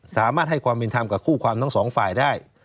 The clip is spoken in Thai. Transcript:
สามารถให้ความเป็นธรรมกับคู่ความทั้งสองฝ่ายได้